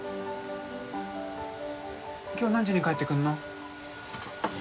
今日何時に帰ってくんの？